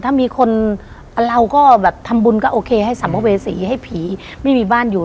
ถ้ามีคนเราก็แบบทำบุญก็โอเคให้สัมภเวษีให้ผีไม่มีบ้านอยู่